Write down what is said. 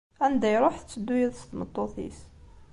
Anda iruḥ tetteddu yid-s tmeṭṭut-is.